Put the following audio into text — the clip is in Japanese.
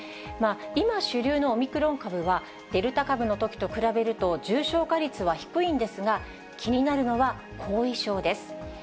今主流のオミクロン株は、デルタ株のときと比べると、重症化率は低いんですが、気になるのは後遺症です。